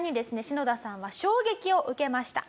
シノダさんは衝撃を受けました。